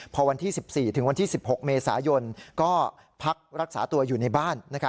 พอวันที่๑๔๑๖เมษายนก็พักรักษาตัวอยู่ในบ้าน